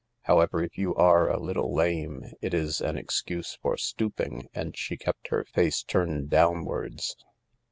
Hdwever, if you ate a little lame it is an excuse for stooping, and she kept her face turned downwards.